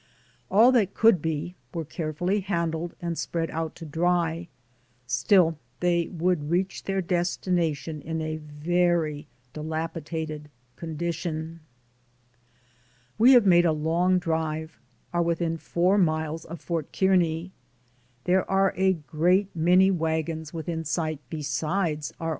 All that could be, were carefully handled and spread out to dry; still, they would reach their destination in a very dilapidated con dition. We have made a long drive, are within four miles of Fort Kearney. There are a great many wagons within sight besides our DAYS ON THE ROAD.